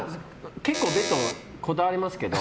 結構ベッドはこだわりますけど。